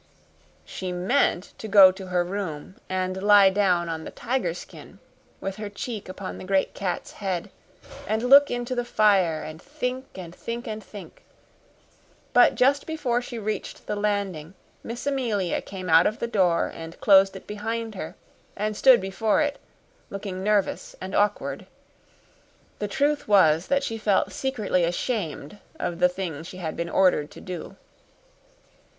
She meant to go to her room and lie down on the tiger skin, with her cheek upon the great cat's head, and look into the fire and think and think and think. But just before she reached the landing Miss Amelia came out of the door and closed it behind her, and stood before it, looking nervous and awkward. The truth was that she felt secretly ashamed of the thing she had been ordered to do.